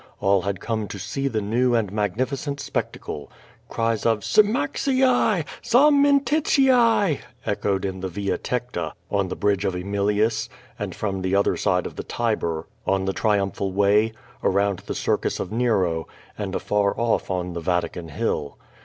All had come to see the new and magnificent spectacle. Cries of "Seraaxii! Sarmentitii!" echoed in the Via Tecta, on the bridge of Emilius, and from the other side of the Tiber, on the Tri umphal Way, around the Circus of Nero, and afar off on the Vatican Hill.